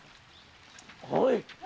おい！